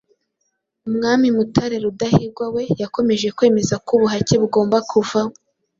Umwami Mutara Rudahigwa we yakomeje kwemeza ko ubuhake bugomba kuvaho.